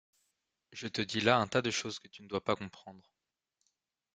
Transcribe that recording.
Je te dis là un tas de choses que tu ne dois pas comprendre.